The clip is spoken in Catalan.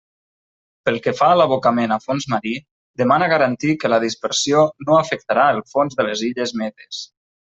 Pel que fa a l'abocament a fons marí, demana garantir que la dispersió no afectarà el fons de les illes Medes.